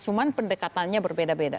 cuman pendekatannya berbeda beda